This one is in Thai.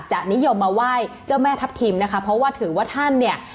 นิยมมาไหว้เจ้าแม่ทัพทิมนะคะเพราะว่าถือว่าท่านเนี่ย